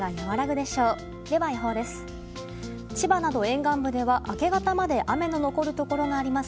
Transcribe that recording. では、予報です。